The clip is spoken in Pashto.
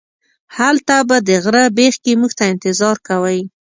هلته به د غره بیخ کې موږ ته انتظار کوئ.